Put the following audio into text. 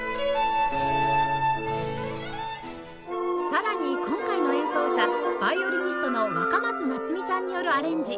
さらに今回の演奏者ヴァイオリニストの若松夏美さんによるアレンジ